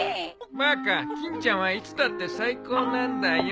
バカ欽ちゃんはいつだって最高なんだよ。